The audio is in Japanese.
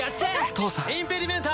父さんインペディメンタ！